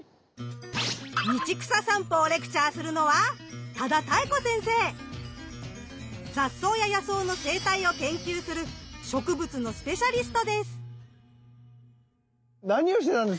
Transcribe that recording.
道草さんぽをレクチャーするのは雑草や野草の生態を研究する何をしてたんですか？